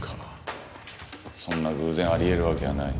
そんな偶然ありえるわけがない。